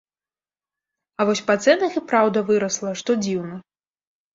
А вось па цэнах і праўда вырасла, што дзіўна.